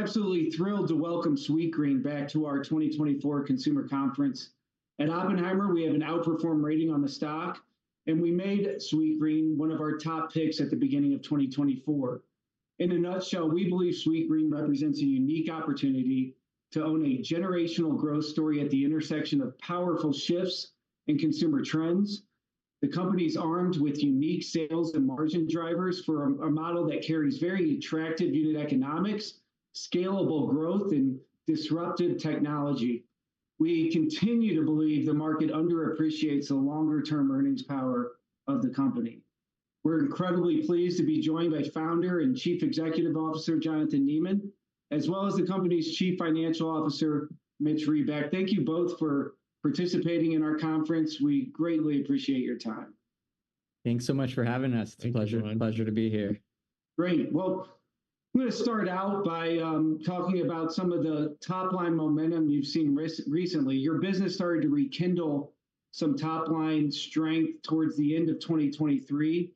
We're absolutely thrilled to welcome Sweetgreen back to our 2024 consumer conference. At Oppenheimer, we have an outperform rating on the stock, and we made Sweetgreen one of our top picks at the beginning of 2024. In a nutshell, we believe Sweetgreen represents a unique opportunity to own a generational growth story at the intersection of powerful shifts in consumer trends. The company's armed with unique sales and margin drivers for a model that carries very attractive unit economics, scalable growth, and disruptive technology. We continue to believe the market underappreciates the longer-term earnings power of the company. We're incredibly pleased to be joined by Founder and Chief Executive Officer, Jonathan Neman, as well as the company's Chief Financial Officer, Mitch Reback. Thank you both for participating in our conference. We greatly appreciate your time. Thanks so much for having us. Thank you, Brian. It's a pleasure, pleasure to be here. Great. Well, I'm gonna start out by talking about some of the top-line momentum you've seen recently. Your business started to rekindle some top-line strength towards the end of 2023,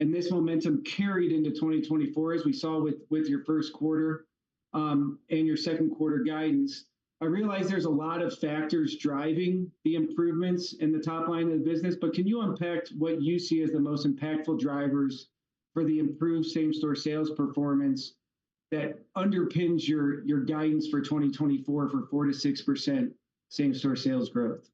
and this momentum carried into 2024, as we saw with your first quarter and your second quarter guidance. I realize there's a lot of factors driving the improvements in the top line of the business, but can you unpack what you see as the most impactful drivers for the improved same-store sales performance that underpins your guidance for 2024 for 4%-6% same-store sales growth?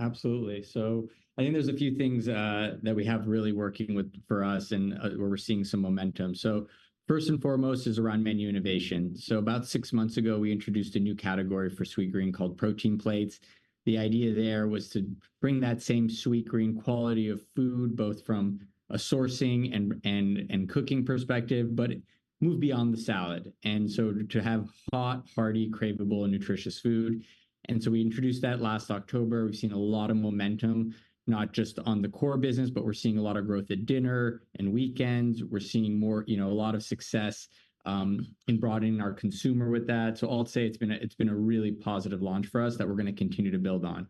Absolutely. So I think there's a few things that we have really working with for us and where we're seeing some momentum. So first and foremost is around menu innovation. So about six months ago, we introduced a new category for Sweetgreen called Protein Plates. The idea there was to bring that same Sweetgreen quality of food, both from a sourcing and cooking perspective, but move beyond the salad, and so to have hot, hearty, craveable, and nutritious food. And so we introduced that last October. We've seen a lot of momentum, not just on the core business, but we're seeing a lot of growth at dinner and weekends. We're seeing more. You know, a lot of success in broadening our consumer with that. So I'll say it's been a really positive launch for us that we're gonna continue to build on.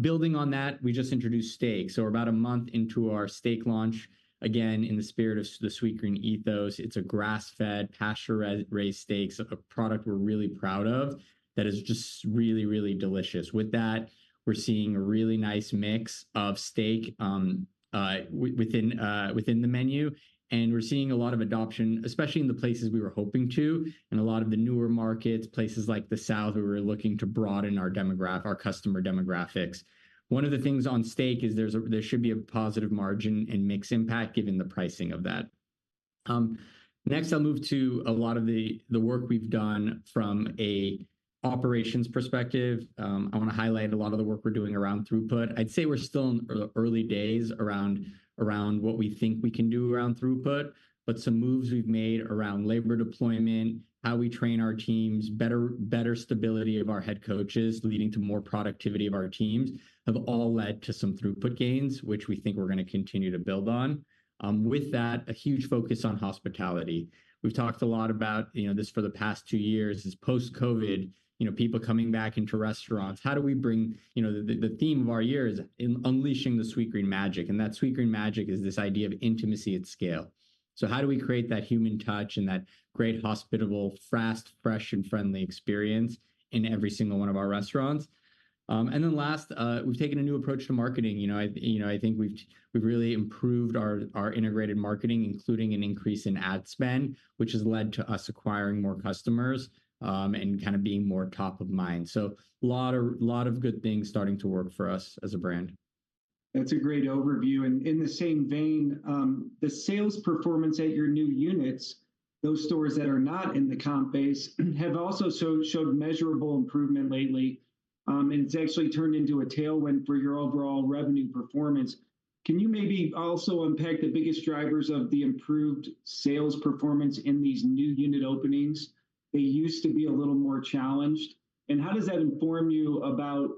Building on that, we just introduced steak, so we're about a month into our steak launch. Again, in the spirit of the Sweetgreen ethos, it's a grass-fed, pasture-raised steaks, a product we're really proud of that is just really, really delicious. With that, we're seeing a really nice mix of steak within the menu, and we're seeing a lot of adoption, especially in the places we were hoping to, in a lot of the newer markets, places like the South, where we're looking to broaden our customer demographics. One of the things on steak is there should be a positive margin and mix impact, given the pricing of that. Next, I'll move to a lot of the work we've done from a operations perspective. I wanna highlight a lot of the work we're doing around throughput. I'd say we're still in early days around what we think we can do around throughput, but some moves we've made around labor deployment, how we train our teams, better stability of our head coaches, leading to more productivity of our teams, have all led to some throughput gains, which we think we're gonna continue to build on. With that, a huge focus on hospitality. We've talked a lot about, you know, this for the past two years, is post-COVID, you know, people coming back into restaurants. How do we bring. You know, the theme of our year is unleashing the Sweetgreen magic, and that Sweetgreen magic is this idea of intimacy at scale. So how do we create that human touch and that great, hospitable, fast, fresh, and friendly experience in every single one of our restaurants? And then last, we've taken a new approach to marketing. You know, I, you know, I think we've, we've really improved our, our integrated marketing, including an increase in ad spend, which has led to us acquiring more customers, and kind of being more top of mind. So lot of, lot of good things starting to work for us as a brand. That's a great overview. In the same vein, the sales performance at your new units, those stores that are not in the comp base, have also showed measurable improvement lately, and it's actually turned into a tailwind for your overall revenue performance. Can you maybe also unpack the biggest drivers of the improved sales performance in these new unit openings? They used to be a little more challenged. How does that inform you about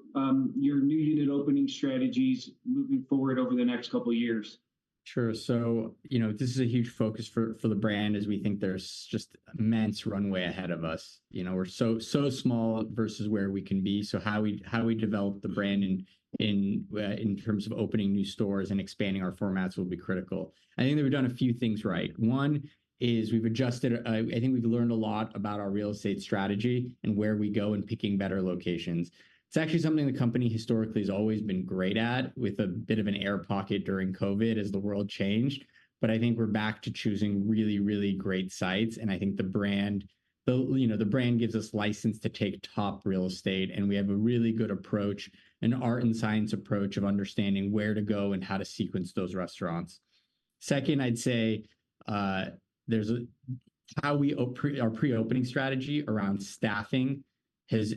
your new unit opening strategies moving forward over the next couple of years? Sure. So, you know, this is a huge focus for the brand, as we think there's just immense runway ahead of us. You know, we're so small versus where we can be, so how we develop the brand in terms of opening new stores and expanding our formats will be critical. I think that we've done a few things right. One is we've adjusted. I think we've learned a lot about our real estate strategy and where we go in picking better locations. It's actually something the company historically has always been great at, with a bit of an air pocket during COVID as the world changed. But I think we're back to choosing really, really great sites, and I think the brand, the, you know, the brand gives us license to take top real estate, and we have a really good approach, an art and science approach of understanding where to go and how to sequence those restaurants. Second, I'd say, there's how we operate our pre-opening strategy around staffing has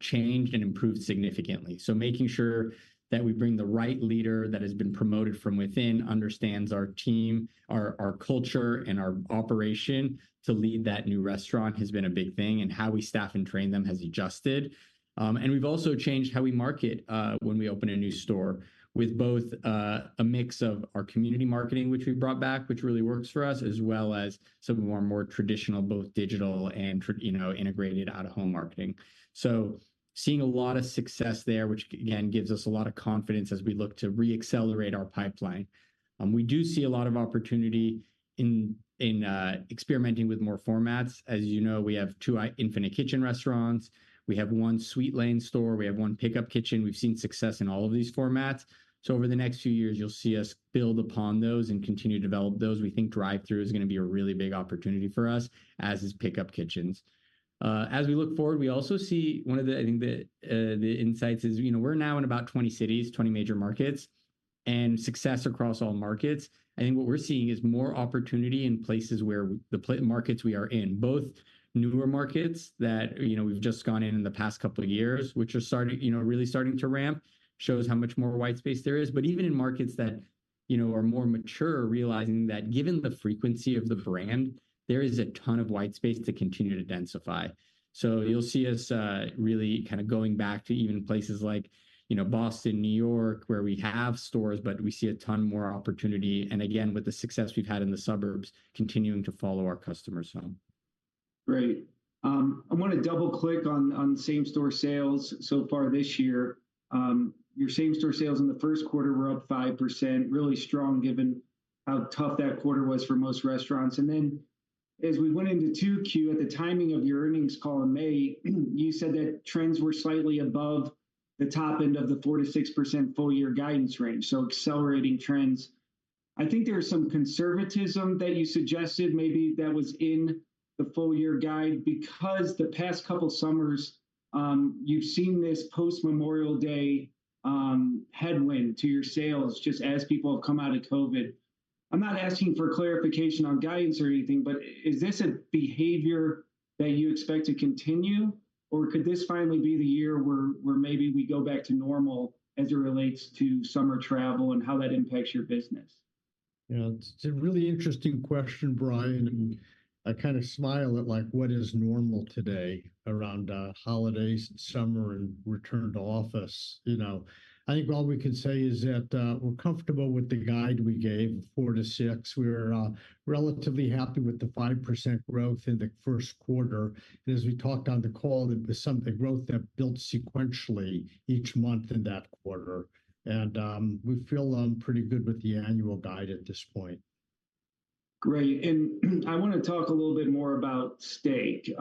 changed and improved significantly. So making sure that we bring the right leader that has been promoted from within, understands our team, our, our culture, and our operation to lead that new restaurant, has been a big thing, and how we staff and train them has adjusted. And we've also changed how we market, when we open a new store, with both a mix of our community marketing, which we've brought back, which really works for us, as well as some more and more traditional, both digital and you know, integrated out-of-home marketing. So seeing a lot of success there, which, again, gives us a lot of confidence as we look to re-accelerate our pipeline. We do see a lot of opportunity in experimenting with more formats. As you know, we have two Infinite Kitchen restaurants. We have one Sweetlane store. We have one Pickup Kitchen. We've seen success in all of these formats, so over the next few years, you'll see us build upon those and continue to develop those. We think drive-through is gonna be a really big opportunity for us, as is Pickup Kitchens. As we look forward, we also see, one of the, I think, the insights is, you know, we're now in about 20 cities, 20 major markets and success across all markets. I think what we're seeing is more opportunity in places where the markets we are in, both newer markets that, you know, we've just gone in in the past couple of years, which are starting, you know, really starting to ramp, shows how much more white space there is. But even in markets that, you know, are more mature, realizing that given the frequency of the brand, there is a ton of white space to continue to densify. So you'll see us, really kind of going back to even places like, you know, Boston, New York, where we have stores, but we see a ton more opportunity, and again, with the success we've had in the suburbs, continuing to follow our customers home. Great. I wanna double-click on same-store sales so far this year. Your same-store sales in the first quarter were up 5%, really strong, given how tough that quarter was for most restaurants. And then as we went into 2Q, at the timing of your earnings call in May, you said that trends were slightly above the top end of the 4%-6% full-year guidance range, so accelerating trends. I think there was some conservatism that you suggested maybe that was in the full-year guide because the past couple summers, you've seen this post-Memorial Day headwind to your sales, just as people have come out of COVID. I'm not asking for clarification on guidance or anything, but is this a behavior that you expect to continue, or could this finally be the year where, where maybe we go back to normal as it relates to summer travel and how that impacts your business? You know, it's a really interesting question, Brian, and I kind of smile at, like, what is normal today around holidays, summer, and return to office, you know? I think all we can say is that we're comfortable with the guide we gave, 4-6. We're relatively happy with the 5% growth in the first quarter. And as we talked on the call, that there's strong growth that built sequentially each month in that quarter, and we feel pretty good with the annual guide at this point. Great, and I wanna talk a little bit more about steak.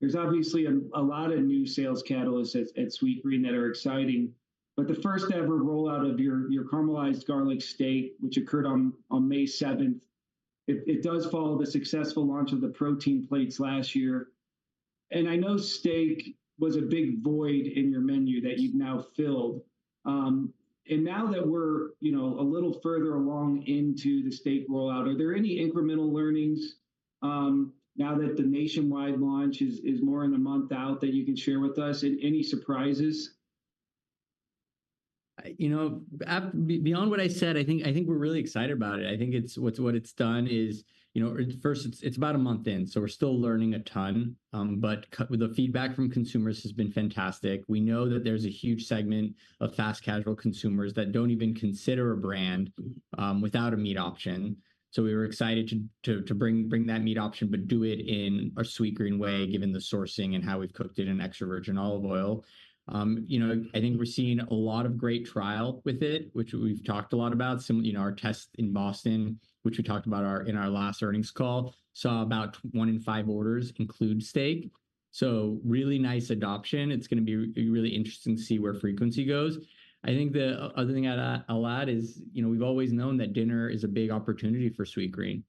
There's obviously a lot of new sales catalysts at Sweetgreen that are exciting, but the first-ever rollout of your Caramelized Garlic Steak, which occurred on May 7th, it does follow the successful launch of the Protein Plates last year. And I know steak was a big void in your menu that you've now filled. And now that we're, you know, a little further along into the steak rollout, are there any incremental learnings, now that the nationwide launch is more in a month out, that you can share with us, and any surprises? You know, beyond what I said, I think we're really excited about it. I think what it's done is, you know, at first, it's about a month in, so we're still learning a ton. But with the feedback from consumers has been fantastic. We know that there's a huge segment of fast casual consumers that don't even consider a brand without a meat option. So we were excited to bring that meat option, but do it in a Sweetgreen way, given the sourcing and how we've cooked it in extra virgin olive oil. You know, I think we're seeing a lot of great trial with it, which we've talked a lot about. So, you know, our test in Boston, which we talked about in our last earnings call, saw about one in five orders include steak, so really nice adoption. It's gonna be really interesting to see where frequency goes. I think the other thing I'd add is, you know, we've always known that dinner is a big opportunity for Sweetgreen,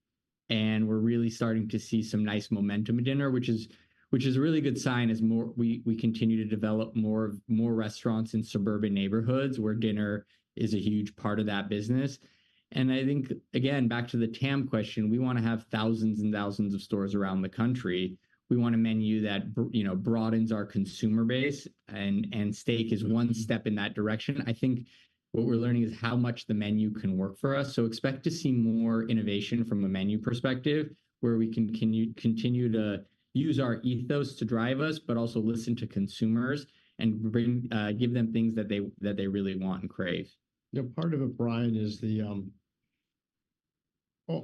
and we're really starting to see some nice momentum at dinner, which is a really good sign as we continue to develop more restaurants in suburban neighborhoods, where dinner is a huge part of that business. And I think, again, back to the TAM question, we wanna have thousands and thousands of stores around the country. We want a menu that, you know, broadens our consumer base, and steak is one step in that direction. I think what we're learning is how much the menu can work for us, so expect to see more innovation from a menu perspective, where we can continue to use our ethos to drive us, but also listen to consumers and bring, give them things that they really want and crave. You know, part of it, Brian, is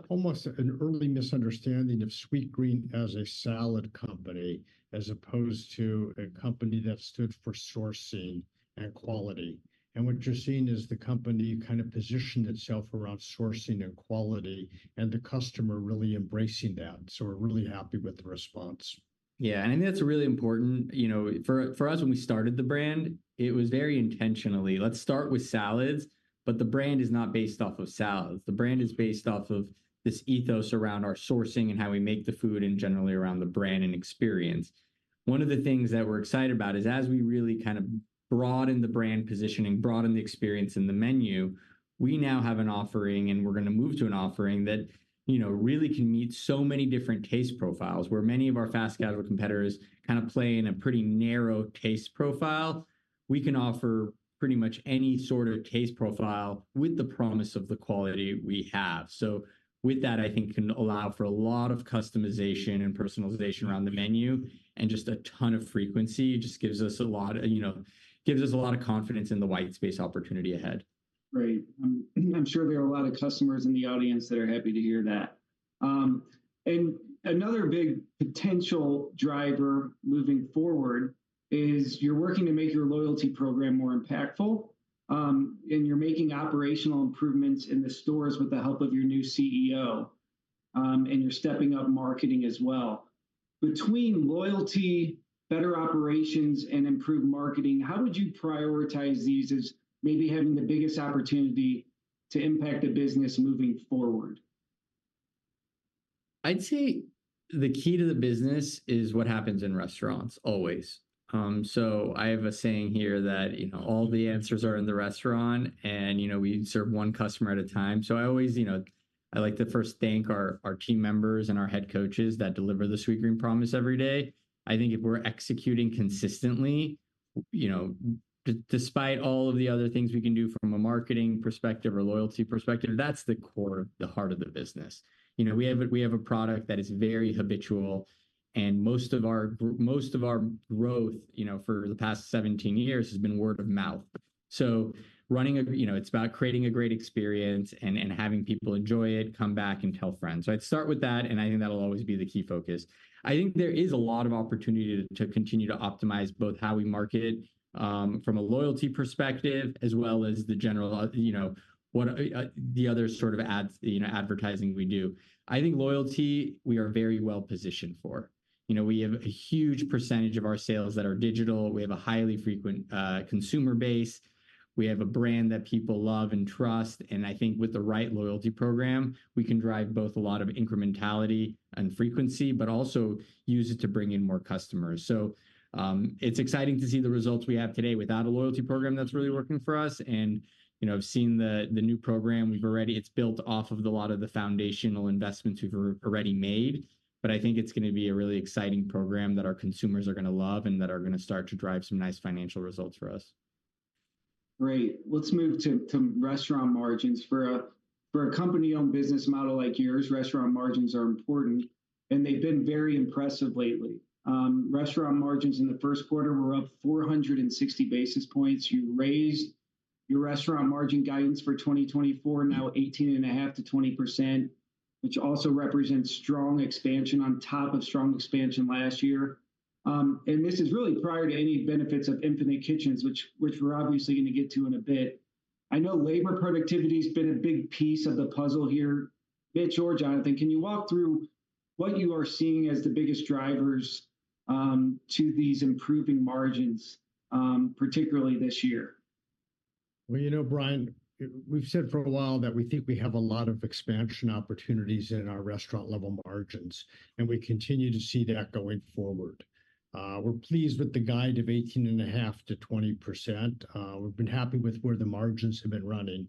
almost an early misunderstanding of Sweetgreen as a salad company, as opposed to a company that stood for sourcing and quality. What you're seeing is the company kind of positioned itself around sourcing and quality, and the customer really embracing that, so we're really happy with the response. Yeah, and I think that's really important. You know, for us, when we started the brand, it was very intentionally, "Let's start with salads," but the brand is not based off of salads. The brand is based off of this ethos around our sourcing and how we make the food and generally around the brand and experience. One of the things that we're excited about is, as we really kind of broaden the brand positioning, broaden the experience in the menu, we now have an offering, and we're gonna move to an offering that, you know, really can meet so many different taste profiles. Where many of our fast casual competitors kind of play in a pretty narrow taste profile, we can offer pretty much any sort of taste profile with the promise of the quality we have. With that, I think can allow for a lot of customization and personalization around the menu, and just a ton of frequency. It just gives us a lot, you know, gives us a lot of confidence in the white space opportunity ahead. Great. I'm sure there are a lot of customers in the audience that are happy to hear that. And another big potential driver moving forward is you're working to make your loyalty program more impactful, and you're making operational improvements in the stores with the help of your new CEO, and you're stepping up marketing as well. Between loyalty, better operations, and improved marketing, how would you prioritize these as maybe having the biggest opportunity to impact the business moving forward? I'd say the key to the business is what happens in restaurants, always. So I have a saying here that, you know, all the answers are in the restaurant, and, you know, we serve one customer at a time. So I always, you know, I like to first thank our team members and our head coaches that deliver the Sweetgreen promise every day. I think if we're executing consistently, you know, despite all of the other things we can do from a marketing perspective or loyalty perspective, that's the core, the heart of the business. You know, we have a product that is very habitual, and most of our growth, you know, for the past 17 years, has been word of mouth. So running a. You know, it's about creating a great experience and, and having people enjoy it, come back, and tell friends. So I'd start with that, and I think that'll always be the key focus. I think there is a lot of opportunity to continue to optimize both how we market from a loyalty perspective, as well as the general, you know, what the other sort of advertising we do. I think loyalty, we are very well positioned for. You know, we have a huge percentage of our sales that are digital. We have a highly frequent consumer base. We have a brand that people love and trust, and I think with the right loyalty program, we can drive both a lot of incrementality and frequency, but also use it to bring in more customers. So, it's exciting to see the results we have today without a loyalty program that's really working for us, and, you know, I've seen the new program. It's built off of a lot of the foundational investments we've already made. But I think it's gonna be a really exciting program that our consumers are gonna love, and that are gonna start to drive some nice financial results for us. Great. Let's move to restaurant margins. For a company-owned business model like yours, restaurant margins are important, and they've been very impressive lately. Restaurant margins in the first quarter were up 460 basis points. You raised your restaurant margin guidance for 2024, now 18.5%-20%, which also represents strong expansion on top of strong expansion last year. And this is really prior to any benefits of Infinite Kitchens, which we're obviously gonna get to in a bit. I know labor productivity's been a big piece of the puzzle here. Mitch or Jonathan, can you walk through what you are seeing as the biggest drivers to these improving margins, particularly this year? Well, you know, Brian, we've said for a while that we think we have a lot of expansion opportunities in our restaurant-level margins, and we continue to see that going forward. We're pleased with the guide of 18.5%-20%. We've been happy with where the margins have been running.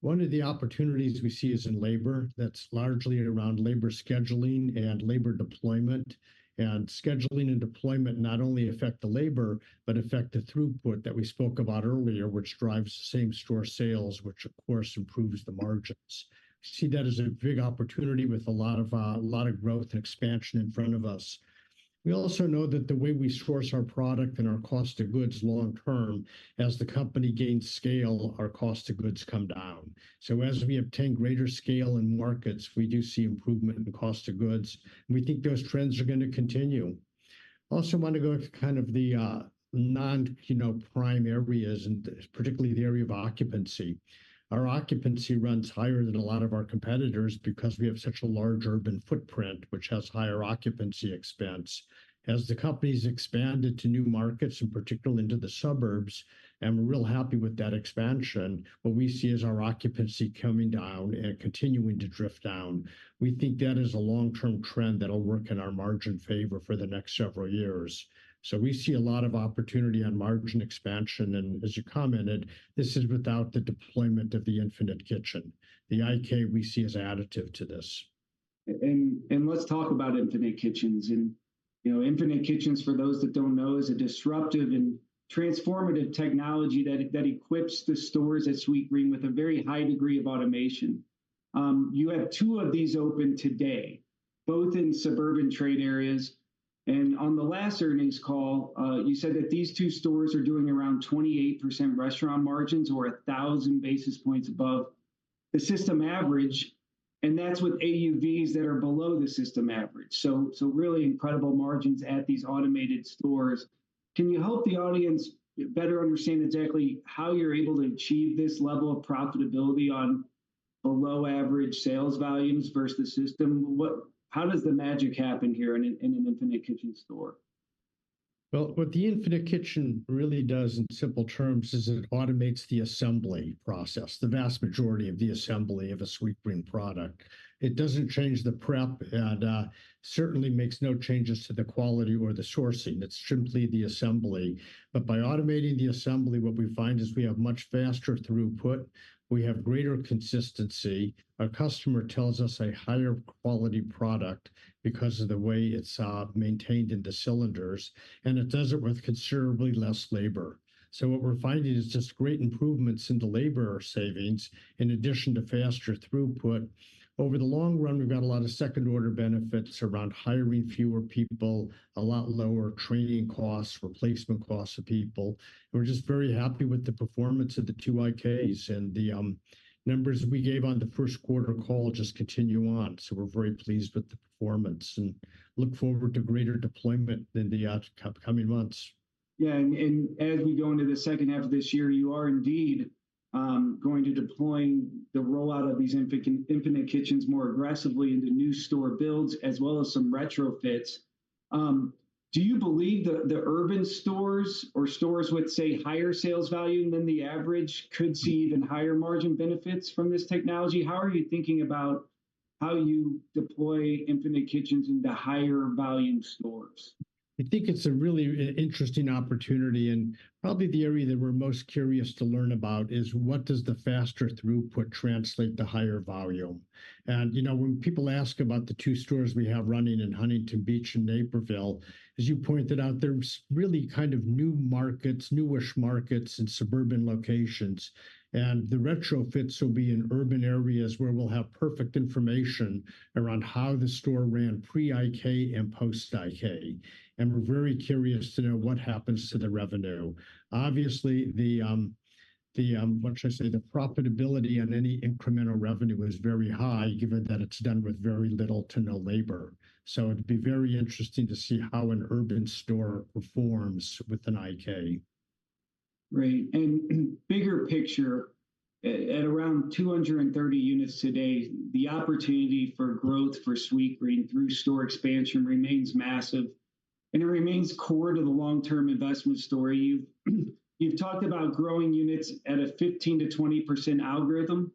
One of the opportunities we see is in labor. That's largely around labor scheduling and labor deployment, and scheduling and deployment not only affect the labor, but affect the throughput that we spoke about earlier, which drives the same-store sales, which, of course, improves the margins. We see that as a big opportunity with a lot of growth and expansion in front of us. We also know that the way we source our product and our cost of goods long term, as the company gains scale, our cost of goods come down. So as we obtain greater scale in markets, we do see improvement in cost of goods, and we think those trends are gonna continue. I also want to go to kind of the non, you know, prime areas, and particularly the area of occupancy. Our occupancy runs higher than a lot of our competitors because we have such a large urban footprint, which has higher occupancy expense. As the company's expanded to new markets, in particular into the suburbs, and we're real happy with that expansion, what we see is our occupancy coming down and continuing to drift down. We think that is a long-term trend that'll work in our margin favor for the next several years. So we see a lot of opportunity on margin expansion, and as you commented, this is without the deployment of the Infinite Kitchen. The IK we see as additive to this. Let's talk about Infinite Kitchens. You know, Infinite Kitchens, for those that don't know, is a disruptive and transformative technology that equips the stores at Sweetgreen with a very high degree of automation. You have two of these open today, both in suburban trade areas, and on the last earnings call, you said that these two stores are doing around 28% restaurant margins or 1000 basis points above the system average, and that's with AUVs that are below the system average. Really incredible margins at these automated stores. Can you help the audience better understand exactly how you're able to achieve this level of profitability on below average sales volumes versus the system? How does the magic happen here in an Infinite Kitchen store? Well, what the Infinite Kitchen really does, in simple terms, is it automates the assembly process, the vast majority of the assembly of a Sweetgreen product. It doesn't change the prep, and certainly makes no changes to the quality or the sourcing. It's simply the assembly. But by automating the assembly, what we find is we have much faster throughput, we have greater consistency. Our customer tells us a higher quality product because of the way it's maintained in the cylinders, and it does it with considerably less labor. So what we're finding is just great improvements in the labor savings, in addition to faster throughput. Over the long run, we've got a lot of second-order benefits around hiring fewer people, a lot lower training costs, replacement costs of people. We're just very happy with the performance of the two IKs, and the numbers we gave on the first quarter call just continue on. So we're very pleased with the performance and look forward to greater deployment in the upcoming months. Yeah, and as we go into the second half of this year, you are indeed going to deploying the rollout of these Infinite Kitchens more aggressively into new store builds, as well as some retrofits. Do you believe that the urban stores or stores with, say, higher sales volume than the average could see even higher margin benefits from this technology? How are you thinking about how you deploy Infinite Kitchens into higher volume stores? I think it's a really interesting opportunity, and probably the area that we're most curious to learn about is what does the faster throughput translate to higher volume. And, you know, when people ask about the two stores we have running in Huntington Beach and Naperville, as you pointed out, they're really kind of new markets, newish markets and suburban locations. And the retrofits will be in urban areas where we'll have perfect information around how the store ran pre-IK and post-IK. And we're very curious to know what happens to the revenue. Obviously, the, what should I say? The profitability on any incremental revenue is very high, given that it's done with very little to no labor. So it'd be very interesting to see how an urban store performs with an IK. Right. And bigger picture, at around 230 units today, the opportunity for growth for Sweetgreen through store expansion remains massive, and it remains core to the long-term investment story. You've talked about growing units at a 15%-20% algorithm,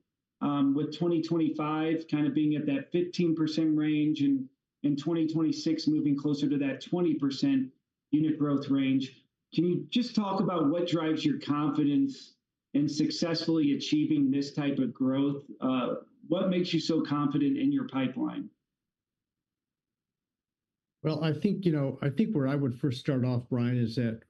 with 2025 kind of being at that 15% range, and in 2026 moving closer to that 20% unit growth range. Can you just talk about what drives your confidence in successfully achieving this type of growth? What makes you so confident in your pipeline? Well, I think, you know, I think where I would first start off, Brian, is that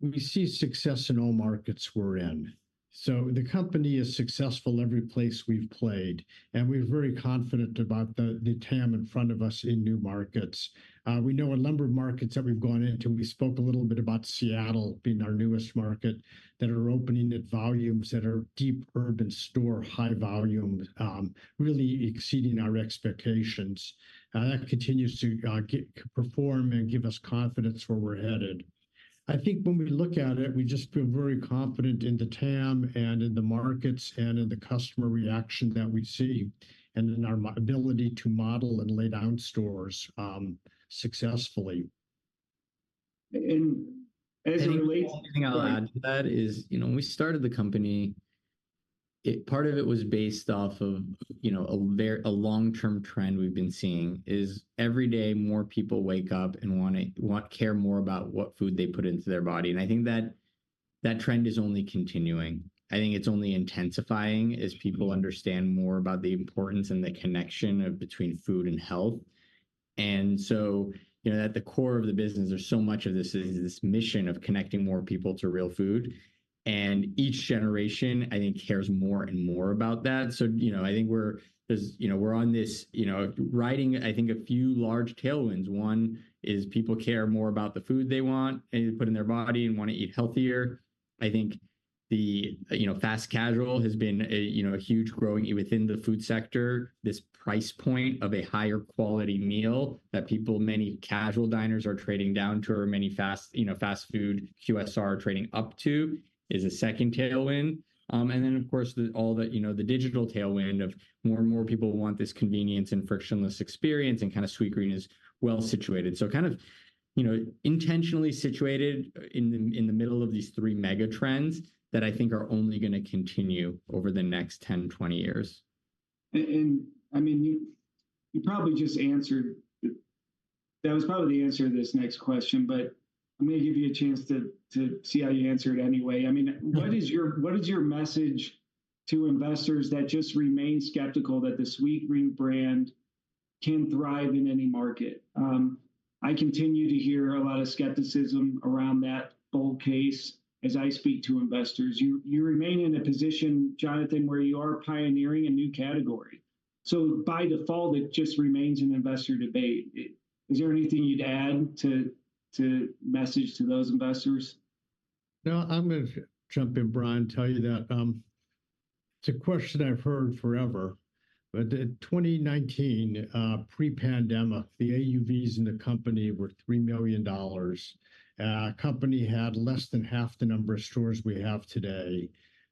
we see success in all markets we're in. So the company is successful every place we've played, and we're very confident about the TAM in front of us in new markets. We know a number of markets that we've gone into, and we spoke a little bit about Seattle being our newest market, that are opening at volumes that are deep urban store, high volume, really exceeding our expectations. That continues to perform and give us confidence where we're headed. I think when we look at it, we just feel very confident in the TAM and in the markets and in the customer reaction that we see, and in our ability to model and lay down stores, successfully. As it relates. Hang on. That is. You know, when we started the company, it, part of it was based off of, you know, a long-term trend we've been seeing, is every day, more people wake up and wanna, want, care more about what food they put into their body. And I think that, that trend is only continuing. I think it's only intensifying as people understand more about the importance and the connection between food and health. And so, you know, at the core of the business, there's so much of this is this mission of connecting more people to real food, and each generation, I think, cares more and more about that. So, you know, I think we're, there's, you know, we're on this, you know, riding, I think, a few large tailwinds. One is people care more about the food they want and they put in their body and wanna eat healthier. I think the, you know, fast casual has been a, you know, a huge growth within the food sector. This price point of a higher quality meal that people, many casual diners are trading down to, or many fast, you know, fast food QSR are trading up to, is a second tailwind. And then, of course, all the, you know, the digital tailwind of more and more people want this convenience and frictionless experience, and kind of Sweetgreen is well situated. So kind of, you know, intentionally situated in the middle of these three mega trends that I think are only gonna continue over the next 10, 20 years. I mean, you, you probably just answered. That was probably the answer to this next question, but I'm gonna give you a chance to, to see how you answer it anyway. I mean. Right. What is your, what is your message to investors that just remain skeptical that the Sweetgreen brand can thrive in any market? I continue to hear a lot of skepticism around that bull case as I speak to investors. You, you remain in a position, Jonathan, where you are pioneering a new category. So by default, it just remains an investor debate. Is there anything you'd add to, to message to those investors? No, I'm gonna jump in, Brian, and tell you that it's a question I've heard forever. But in 2019, pre-pandemic, the AUVs in the company were $3 million. Company had less than half the number of stores we have today.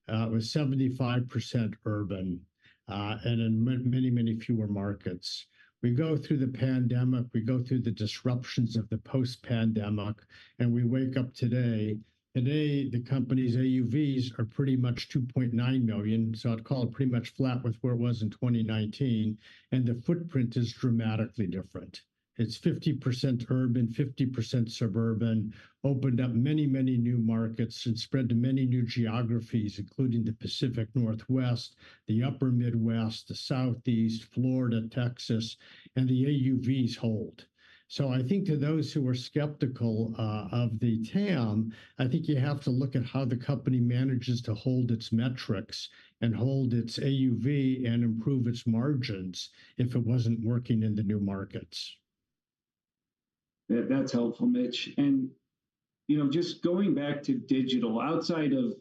It was 75% urban, and in many, many fewer markets. We go through the pandemic, we go through the disruptions of the post-pandemic, and we wake up today. Today, the company's AUVs are pretty much $2.9 million, so I'd call it pretty much flat with where it was in 2019, and the footprint is dramatically different. It's 50% urban, 50% suburban, opened up many, many new markets and spread to many new geographies, including the Pacific Northwest, the Upper Midwest, the Southeast, Florida, Texas, and the AUVs hold. I think to those who are skeptical of the TAM, I think you have to look at how the company manages to hold its metrics and hold its AUV and improve its margins if it wasn't working in the new markets. That, that's helpful, Mitch. You know, just going back to digital, outside of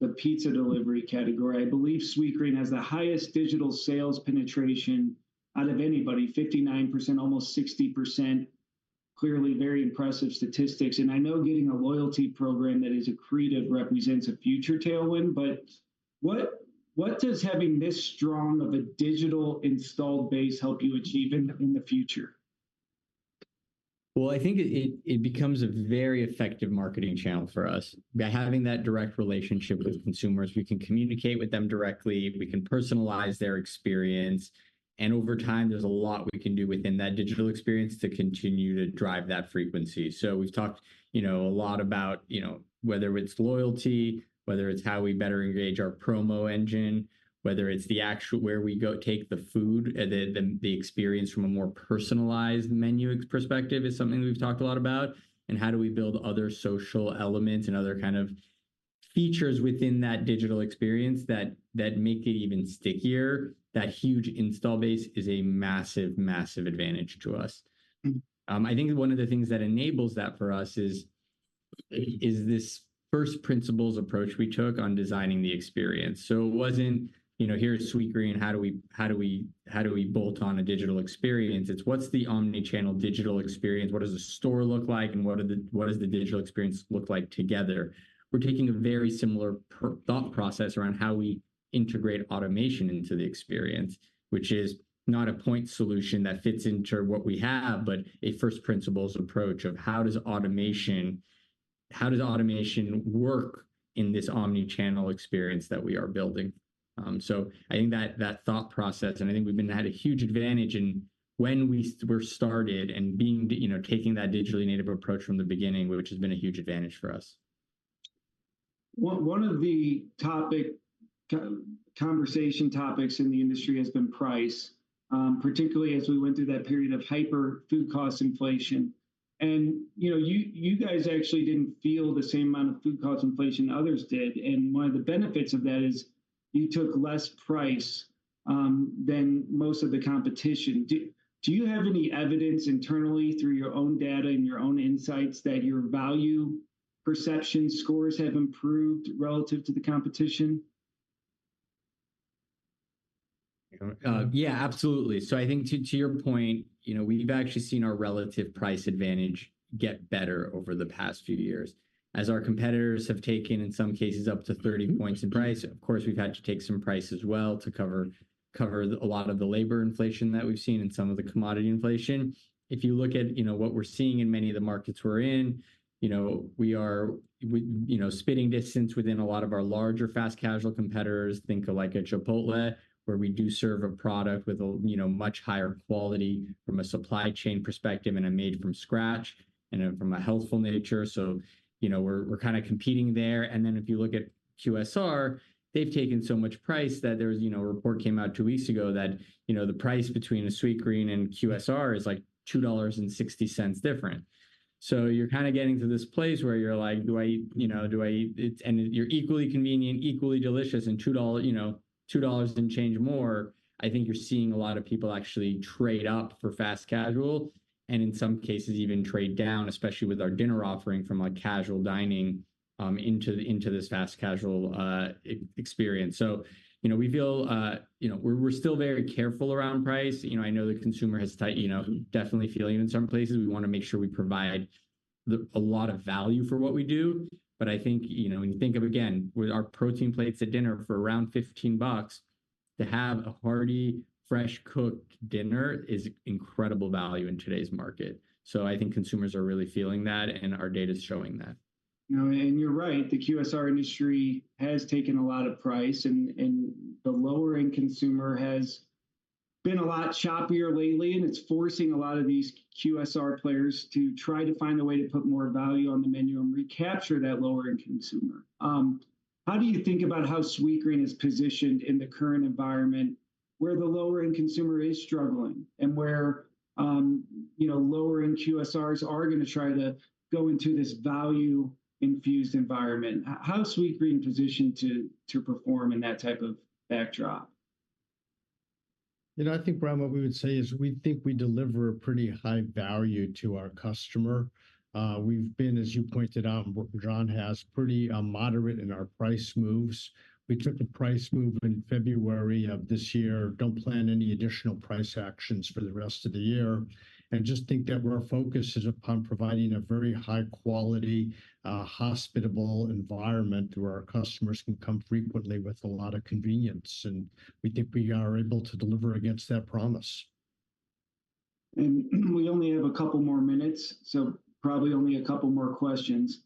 the pizza delivery category, I believe Sweetgreen has the highest digital sales penetration out of anybody, 59%, almost 60%. Clearly, very impressive statistics. I know getting a loyalty program that is accretive represents a future tailwind, but what does having this strong of a digital installed base help you achieve in the future? Well, I think it becomes a very effective marketing channel for us. By having that direct relationship with consumers, we can communicate with them directly, we can personalize their experience, and over time, there's a lot we can do within that digital experience to continue to drive that frequency. So we've talked, you know, a lot about, you know, whether it's loyalty, whether it's how we better engage our promo engine, whether it's the actual, where we go take the food, the experience from a more personalized menu perspective is something we've talked a lot about, and how do we build other social elements and other kind of features within that digital experience that make it even stickier? That huge install base is a massive, massive advantage to us. I think one of the things that enables that for us is this first principles approach we took on designing the experience. So it wasn't, you know, "Here's Sweetgreen, how do we bolt on a digital experience?" It's, "What's the omni-channel digital experience? What does the store look like, and what does the digital experience look like together?" We're taking a very similar thought process around how we integrate automation into the experience, which is not a point solution that fits into what we have, but a first principles approach of how does automation work in this omni-channel experience that we are building? So, I think that thought process, and I think we've been at a huge advantage in when we were started and being, you know, taking that digitally native approach from the beginning, which has been a huge advantage for us. One of the conversation topics in the industry has been price, particularly as we went through that period of hyper food cost inflation. And, you know, you guys actually didn't feel the same amount of food cost inflation others did, and one of the benefits of that is you took less price than most of the competition. Do you have any evidence internally, through your own data and your own insights, that your value perception scores have improved relative to the competition? Yeah, absolutely. So I think to your point, you know, we've actually seen our relative price advantage get better over the past few years. As our competitors have taken, in some cases, up to 30 points in price, of course, we've had to take some price as well to cover a lot of the labor inflation that we've seen and some of the commodity inflation. If you look at, you know, what we're seeing in many of the markets we're in, you know, we are spitting distance within a lot of our larger fast casual competitors, think of like a Chipotle, where we do serve a product with a, you know, much higher quality from a supply chain perspective and are made from scratch and from a healthful nature. So, you know, we're kind of competing there. If you look at QSR, they've taken so much price that there was, you know, a report came out two weeks ago that, you know, the price between a Sweetgreen and QSR is, like, $2.60 different. So you're kind of getting to this place where you're like, do I, you know, do I. You're equally convenient, equally delicious, and two dollar, you know, two dollars and change more, I think you're seeing a lot of people actually trade up for fast casual, and in some cases, even trade down, especially with our dinner offering from, like, casual dining into this fast casual experience. So, you know, we feel, you know, we're still very careful around price. You know, I know the consumer has tight you know, definitely feeling in some places. We wanna make sure we provide a lot of value for what we do. But I think, you know, when you think of, again, with our Protein Plates at dinner for around $15, to have a hearty, fresh-cooked dinner is incredible value in today's market. So I think consumers are really feeling that, and our data's showing that. No, and you're right, the QSR industry has taken a lot of price, and the lower-end consumer has been a lot choppier lately, and it's forcing a lot of these QSR players to try to find a way to put more value on the menu and recapture that lower-end consumer. How do you think about how Sweetgreen is positioned in the current environment, where the lower-end consumer is struggling and where, you know, lower-end QSRs are gonna try to go into this value-infused environment? How is Sweetgreen positioned to perform in that type of backdrop? You know, I think, Brian, what we would say is, we think we deliver a pretty high value to our customer. We've been, as you pointed out, and John has, pretty moderate in our price moves. We took a price move in February of this year, don't plan any additional price actions for the rest of the year, and just think that our focus is upon providing a very high quality, hospitable environment where our customers can come frequently with a lot of convenience, and we think we are able to deliver against that promise. And we only have a couple more minutes, so probably only a couple more questions.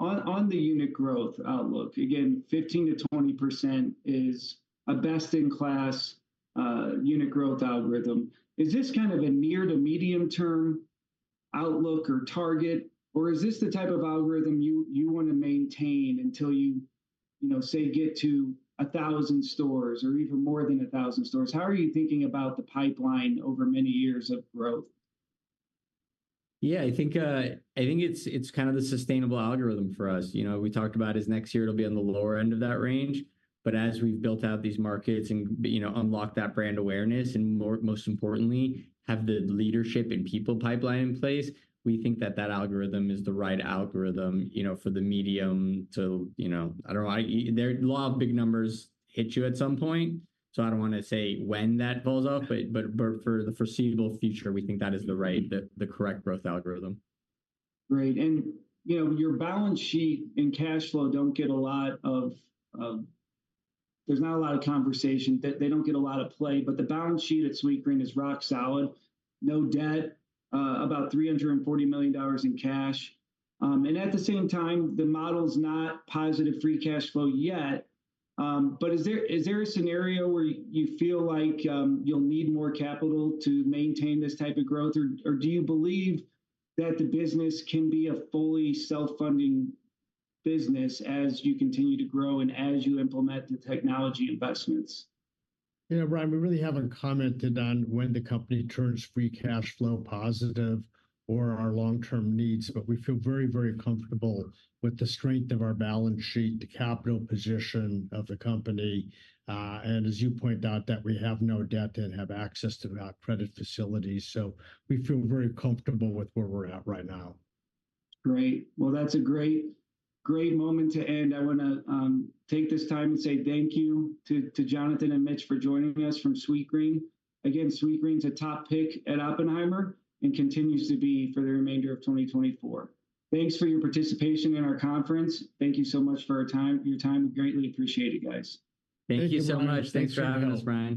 On the unit growth outlook, again, 15%-20% is a best-in-class unit growth algorithm. Is this kind of a near to medium term outlook or target, or is this the type of algorithm you wanna maintain until you, you know, say, get to 1,000 stores or even more than 1,000 stores? How are you thinking about the pipeline over many years of growth? Yeah, I think, I think it's, it's kind of the sustainable algorithm for us. You know, we talked about is next year it'll be on the lower end of that range, but as we've built out these markets and, you know, unlocked that brand awareness, and more, most importantly, have the leadership and people pipeline in place, we think that that algorithm is the right algorithm, you know, for the medium to, you know, I don't know, there, a lot of big numbers hit you at some point, so I don't wanna say when that blows up, but, but, but for the foreseeable future, we think that is the right, the, the correct growth algorithm. Great. And, you know, your balance sheet and cash flow don't get a lot of, there's not a lot of conversation. They, they don't get a lot of play, but the balance sheet at Sweetgreen is rock solid, no debt, about $340 million in cash. And at the same time, the model's not positive free cash flow yet, but is there, is there a scenario where you feel like, you'll need more capital to maintain this type of growth? Or, or do you believe that the business can be a fully self-funding business as you continue to grow and as you implement the technology investments? Yeah, Brian, we really haven't commented on when the company turns free cash flow positive or our long-term needs, but we feel very, very comfortable with the strength of our balance sheet, the capital position of the company, and as you pointed out, that we have no debt and have access to our credit facilities. So we feel very comfortable with where we're at right now. Great. Well, that's a great, great moment to end. I wanna take this time and say thank you to Jonathan and Mitch for joining us from Sweetgreen. Again, Sweetgreen's a top pick at Oppenheimer and continues to be for the remainder of 2024. Thanks for your participation in our conference. Thank you so much for our time, your time. We greatly appreciate it, guys. Thank you so much. Thank you. Thanks for having us, Brian.